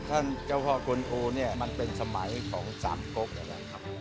เจ้าพ่อกลโอเนี่ยมันเป็นสมัยของสามกกนะครับ